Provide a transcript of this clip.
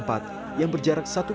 kita tidak tahu